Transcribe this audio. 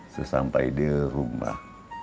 sesampai di rumah